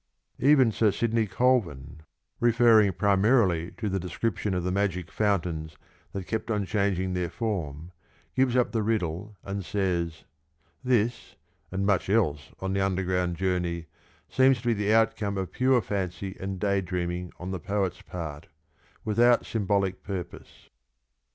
Even Sir Sidney Colvin, referring primarily to the description of the magic fountains that kept on changing their form, gives up the riddle and says :" This and much else on the underground journey seems to be the outcome of pure fancy and day dreaming on the , poet's part, without symbolic purpose."